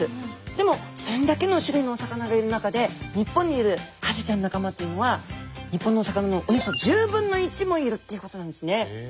でもそんだけの種類のお魚がいる中で日本にいるハゼちゃんの仲間というのは日本のお魚のおよそ１０分の１もいるっていうことなんですね。